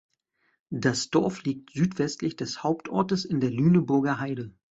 Das Dorf liegt südwestlich des Hauptortes in der Lüneburger Heide.